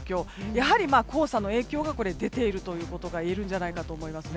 やはり黄砂の影響が出ているということがいえると思いますね。